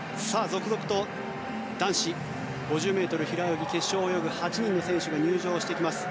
続々と男子５０ｍ平泳ぎ決勝を泳ぐ８人の選手が入場してきます。